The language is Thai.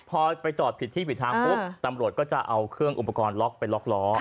พอไปจอดผิดที่ผิดทางปุ๊บตำรวจก็จะเอาเครื่องอุปกรณ์ล็อกไปล็อกล้อ